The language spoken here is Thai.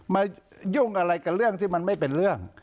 ยุ่งอะไรกับเรื่องที่มันไม่เป็นเรื่อง